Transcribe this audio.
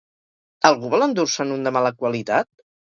Algú vol endur-se'n un de mala qualitat?